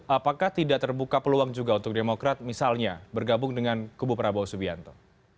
apakah tidak terbuka peluang juga untuk demokrat misalnya bergabung dengan kubu prabowo subianto